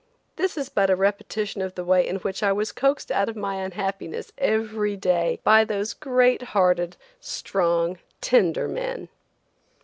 This is but a repetition of the way in which I was coaxed out of my unhappiness every day, by those great hearted, strong, tender men.